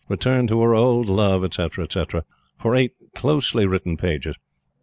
return to her old love, etc., etc., for eight closely written pages.